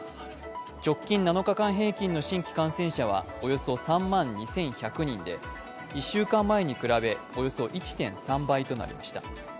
直近７日間平均の新規感染者はおよそ３万２１００人で１週間前に比べ、およそ１．３倍となりました。